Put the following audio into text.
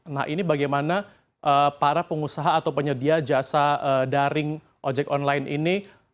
nah ini bagaimana para pengusaha atau penyedia jasa daring ojek online ini